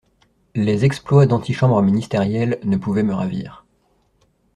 Les exploits d'antichambre ministérielle ne pouvaient me ravir.